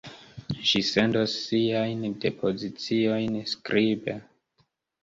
Ŝi sendos siajn depoziciojn skribe.